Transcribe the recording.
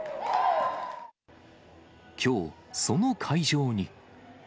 きょう、その会場に。